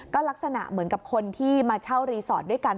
ก็ลักษณะเหมือนกับคนที่มาเช่ารีสอร์ทด้วยกัน